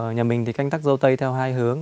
nhà mình thì canh tắc dâu tây theo hai hướng